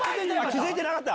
気付いてなかった？